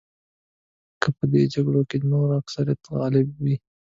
که په دې جګړو کې د نورو اکثریت غالب وي.